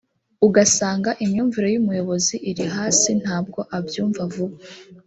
ugasanga imyumvire y’umuyobozi iri hasi ntabwo abyumva vuba